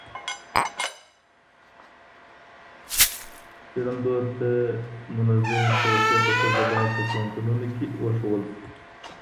څېړندود د منظمي پروسې په توګه باید په پوهنتونونو کي وښودل سي.